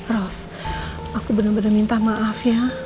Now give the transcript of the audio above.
ros aku bener bener minta maaf ya